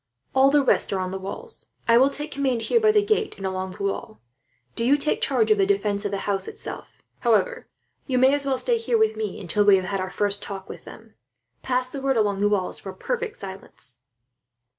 All the rest are on the walls. I will take command here by the gate and along the wall. Do you take charge of the defence of the house, itself. However, you may as well stay here with me, until we have had our first talk with them. Pass the word along the walls for perfect silence."